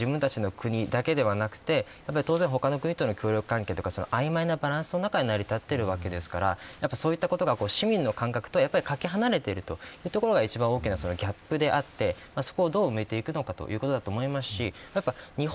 要は自分たちの国だけではなく当然、他の国との協力関係やあいまいなバランス中で成り立っているのでそういったところが市民の感覚とかけ離れているというのが大きなギャップであってそこをどう埋めていくのかというところだと思います。